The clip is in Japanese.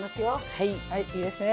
はいいいですね。